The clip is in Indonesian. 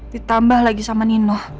ditambah lagi sama nino